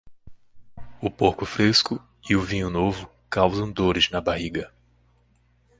O porco fresco e o vinho novo causam dores na barriga.